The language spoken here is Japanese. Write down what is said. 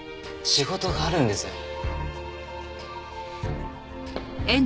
仕事があるんです。